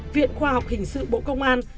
viện khoa học hình sự bộ công an